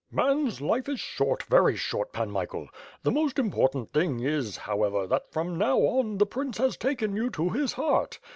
Man's life is short, very short, Pan Michael. The most important thing is, however, that from now on the prince has taken you to his heart.